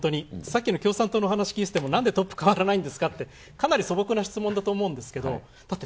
さっきの共産党の話を聞いてても、なんでトップが代わらないんですかってかなり素朴な質問だと思うんですけど。